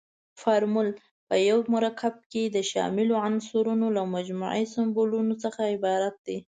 فورمول په یو مرکب کې د شاملو عنصرونو له مجموعي سمبولونو څخه عبارت دی.